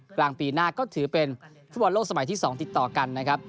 กลางปีหน้าก็ถือเป็นฟุตบอลโลกสมัยที่๒ติดต่อกันนะครับ